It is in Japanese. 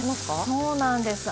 そうなんです。